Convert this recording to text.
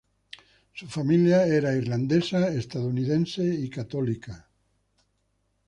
Su familia era irlandesa estadounidense y católica.